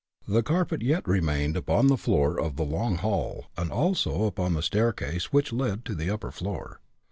The carpet yet remained upon the floor of the long hall, and also upon the staircase which led to the upper floor.